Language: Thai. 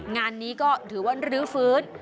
งานนี้ก็ถือว่ารื้อฟื้น